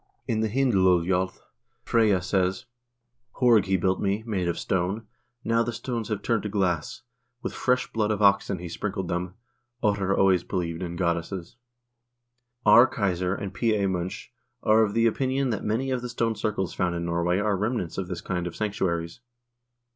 In the " Hynd luljo'S" Freyja says : Horg he built me, made of stone, now the stones have turned to glass ; with fresh blood of oxen he sprinkled them. Ottar always believed in goddesses. R. Keyser and P. A. Munch are of the opinion that many of the stone circles found in Norway are remnants of this kind of sanc tuaries.